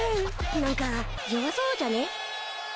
何か弱そうじゃねー？